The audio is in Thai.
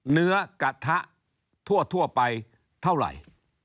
เนื้อกระทะทั่วไปเท่าไหร่